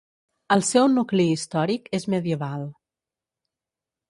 El seu nucli històric és medieval.